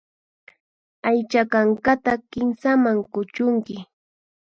Aycha kankata kinsaman kuchunki.